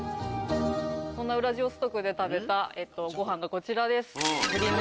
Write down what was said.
そんなウラジオストクで食べたごはんがこちらです。